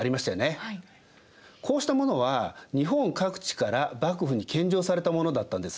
こうしたものは日本各地から幕府に献上されたものだったんです。